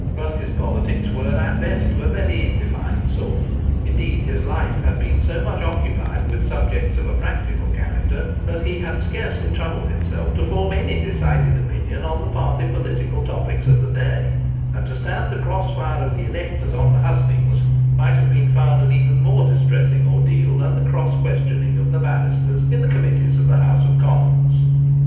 But his politics were at best of a very undefined sort; indeed his life had been so much occupied with subjects of a practical character, that he had scarcely troubled himself to form any decided opinion on the party political topics of the day, and to stand the cross fire of the electors on the hustings might have been found an even more distressing ordeal than the cross questioning of the barristers in the Committees of the House of Commons.